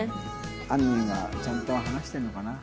あんにんはちゃんと話してるのかな？